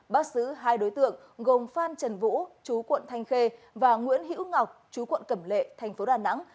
bác sứ hai đối tượng gồm phan trần vũ chú quận thanh khê và nguyễn hữu ngọc chú quận cẩm lệ tp đà nẵng